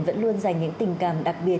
vẫn luôn dành những tình cảm đặc biệt